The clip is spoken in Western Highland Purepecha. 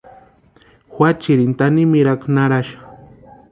Juachiarini tanimirhakwa naraxa.